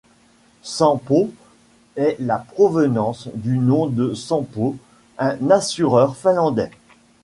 Sampo est la provenance du nom de Sampo, un assureur finlandais.